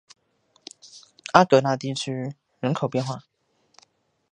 阿戈讷地区茹伊人口变化图示